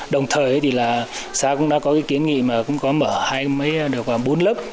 đồng thời thì là xã cũng đã có cái kiến nghị mà cũng có mở hai mấy đợt khoảng bốn lớp